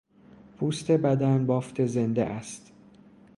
پوست بدن بافت زنده است.